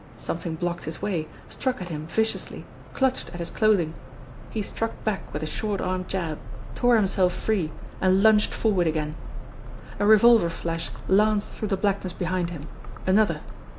Something blocked his way, struck at him viciously, clutched at his clothing. He struck back with a short arm jab, tore himself free, and lunged forward again. A revolver flash lanced through the blackness behind him another.